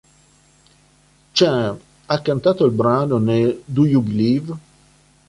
Cher ha cantato il brano nel "Do You Believe?